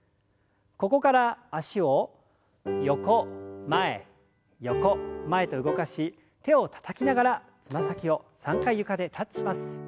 ここから脚を横前横前と動かし手をたたきながらつま先を３回床でタッチします。